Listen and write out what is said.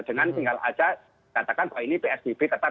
dengan tinggal aja katakan bahwa ini psbb tetap